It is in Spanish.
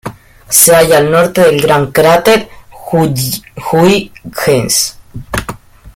Se halla al norte del gran cráter Huygens.